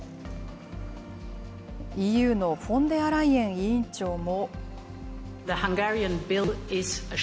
ＥＵのフォンデアライエン委員長も。